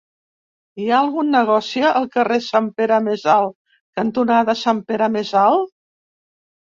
Hi ha algun negoci al carrer Sant Pere Més Alt cantonada Sant Pere Més Alt?